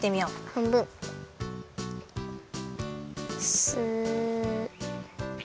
はんぶん。ス。